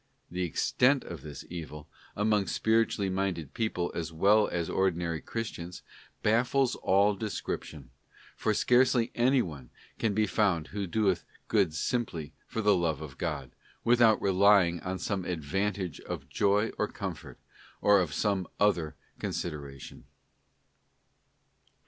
The extent of this evil, among spiritually minded men as well as ordinary Christians, baffles all description, for scarcely any one can be found who doeth good simply for the love of God, without relying on some advantage of joy or comfort, or of some other consideration.